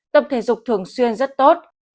tập thể dục thường xuyên rất tốt